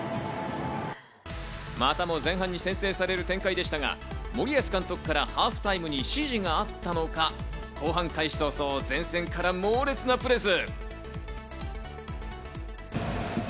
またも前半に先制される展開でしたが、森保監督からハーフタイムに指示があったのか、後半開始早々、前線から猛烈なプレス。